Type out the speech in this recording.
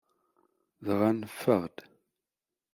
Dɣa neffeɣ-d.